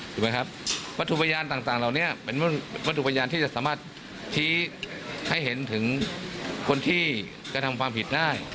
ถูกไหมครับวัตถุพยานต่างเหล่านี้เป็นวัตถุพยานที่จะสามารถชี้ให้เห็นถึงคนที่กระทำความผิดได้